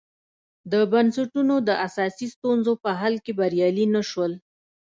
د بنسټونو د اساسي ستونزو په حل کې بریالي نه شول.